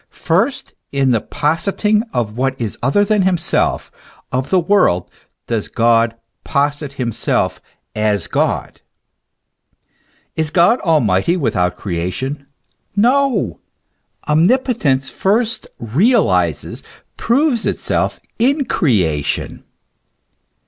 First in the positing of what is other than himself, of the world, does God posit himself as God. Is God almighty without creation? No ! Omnipotence first realizes, proves itself in creation.